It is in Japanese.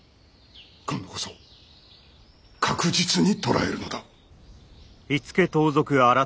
今度こそ確実に捕らえるのだ。